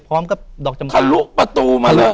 พร้อมกับดอกจำทะลุประตูมาเลย